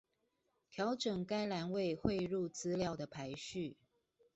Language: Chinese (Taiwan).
調整該欄位匯入資料的排序